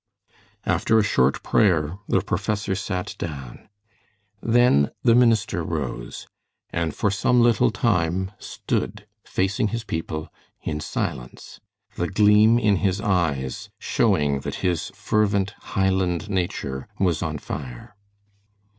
After a short prayer, the professor sat down. Then the minister rose, and for some little time stood facing his people in silence, the gleam in his eyes showing that his fervent Highland nature was on fire.